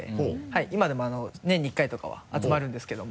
今でも年に１回とかは集まるんですけども。